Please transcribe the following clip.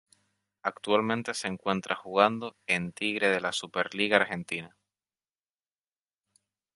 Actualmente se encuentra jugando en Tigre de la Superliga Argentina.